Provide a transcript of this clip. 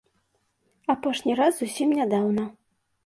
Апошні раз зусім нядаўна.